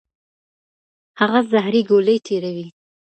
هغه زهري ګولۍ تیروي.